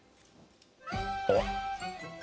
あっ。